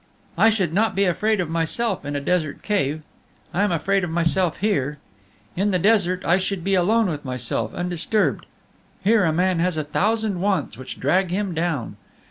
"I should not be afraid of myself in a desert cave; I am afraid of myself here. In the desert I should be alone with myself, undisturbed; here man has a thousand wants which drag him down.